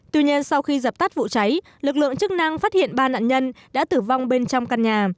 tuy nhiên sau khi dập tắt vụ cháy lực lượng chức năng phát hiện ba nạn nhân đã tử vong bên trong căn nhà